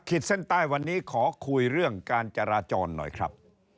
เส้นใต้วันนี้ขอคุยเรื่องการจราจรหน่อยครับ